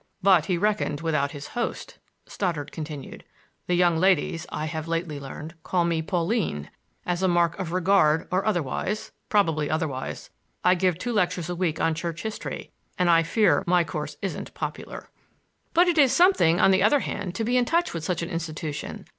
"But he reckoned without his host," Stoddard continued. "The young ladies, I have lately learned, call me Pauline, as a mark of regard or otherwise,—probably otherwise. I give two lectures a week on church history, and I fear my course isn't popular." "But it is something, on the other hand, to be in touch with such an institution.